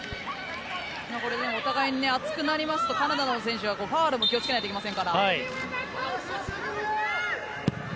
お互いに熱くなりますとカナダの選手はファウルも気を付けないといけません。